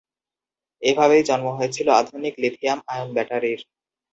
এভাবেই জন্ম হয়েছিল আধুনিক লিথিয়াম আয়ন ব্যাটারির।